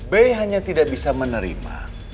b hanya tidak bisa menerima